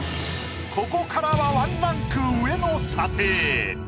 ここからは１ランク上の査定。